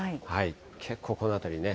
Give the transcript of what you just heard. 結構この辺りね。